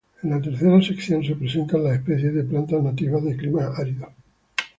En la tercera sección se presentan las especies de plantas nativas de climas áridos.